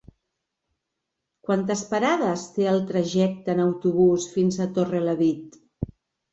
Quantes parades té el trajecte en autobús fins a Torrelavit?